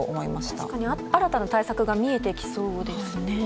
確かに新たな対策が見えてきそうですね。